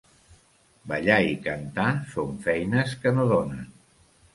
Ballar i cantar són feines que no donen.